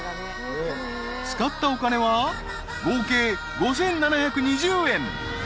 ［使ったお金は合計５，７２０円］